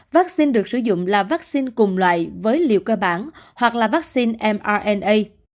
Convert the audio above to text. vaccine được sử dụng là vaccine cùng loại với liều cơ bản hoặc là vaccine mrna